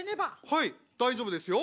はい大丈夫ですよ。